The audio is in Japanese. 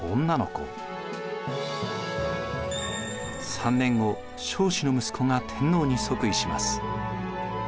３年後彰子の息子が天皇に即位します。